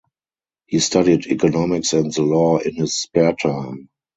He studied economics and the law in his spare time.